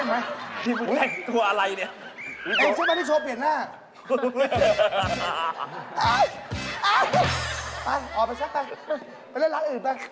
นี้พูดคือดีกว่าใช่ไหม